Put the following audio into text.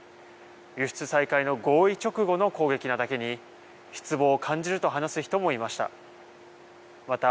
輸出再開の合意直後の攻撃なだけに、失望を感じると話す人もいました。